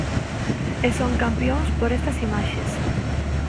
E son campións por estas imaxes.